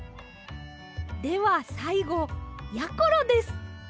ではさいごやころです。